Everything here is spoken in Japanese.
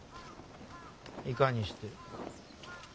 いかにして？